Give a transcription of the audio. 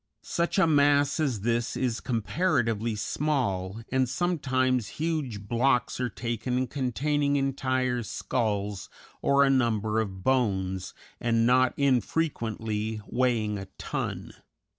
Such a mass as this is comparatively small, and sometimes huge blocks are taken containing entire skulls or a number of bones, and not infrequently weighing a ton.